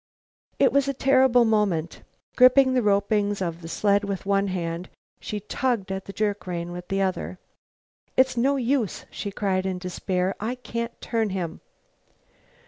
It was a terrible moment. Gripping the ropings of the sled with one hand, she tugged at the jerk rein with the other. "It's no use," she cried in despair; "I can't turn him."